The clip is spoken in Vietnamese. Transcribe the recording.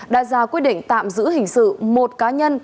đã ra quyết định tạm giữ hình sự một cá nhân